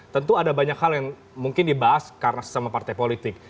tentu ada banyak hal yang mungkin dibahas karena sesama partai politik